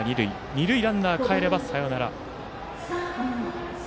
二塁ランナーかえればサヨナラ。